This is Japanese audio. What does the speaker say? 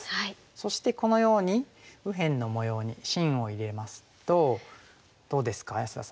そしてこのように右辺の模様に芯を入れますとどうですか安田さん